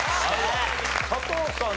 佐藤さん